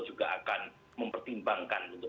juga akan mempertimbangkan untuk